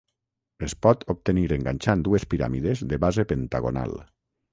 Es pot obtenir enganxant dues piràmides de base pentagonal.